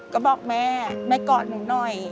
ก็บอกแม่แม่กอดหนูหน่อย